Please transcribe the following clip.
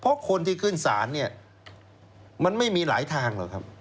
เพราะคนที่ขึ้นศาลเนี่ยมันไม่มีหลายทางหรอกครับ